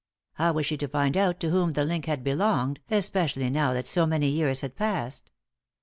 How was she to find out to whom the link had belonged, especially now that so many years had passed?